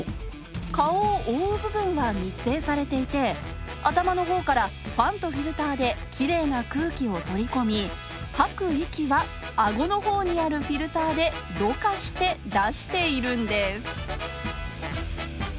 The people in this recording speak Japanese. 顔を覆う部分が密閉されていて頭のほうからファンとフィルターできれいな空気を取り込み、吐く息はあごのほうにあるフィルターでろ過して出しているんです。